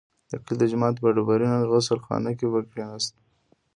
د کلي د جومات په ډبرینه غسل خانه کې به کښېناست.